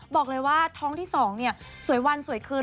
บอกเลยว่าท้องที่๒สวยวันสวยคืน